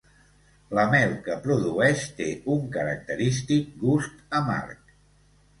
La mel que produeix té un característic gust amarg.